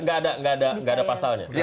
nggak ada pasalnya